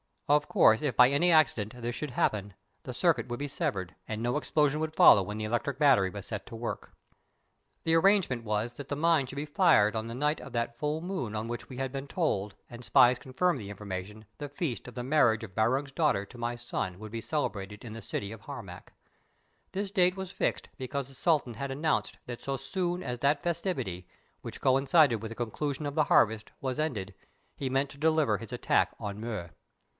Of course, if by any accident this should happen, the circuit would be severed, and no explosion would follow when the electric battery was set to work. The arrangement was that the mine should be fired on the night of that full moon on which we had been told, and spies confirmed the information, the feast of the marriage of Barung's daughter to my son would be celebrated in the city of Harmac. This date was fixed because the Sultan had announced that so soon as that festivity, which coincided with the conclusion of the harvest, was ended, he meant to deliver his attack on Mur.